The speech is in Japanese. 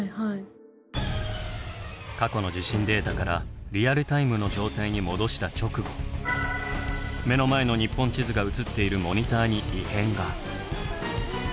過去の地震データからリアルタイムの状態に戻した直後目の前の日本地図が映っているモニターに異変が！